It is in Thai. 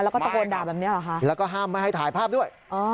แล้วก็ตะโกนด่าแบบนี้เหรอคะแล้วก็ห้ามไม่ให้ถ่ายภาพด้วย